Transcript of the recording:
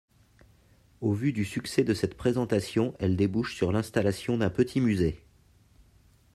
Au vu du succès de cette présentation elle débouche sur l'installation d'un petit musée.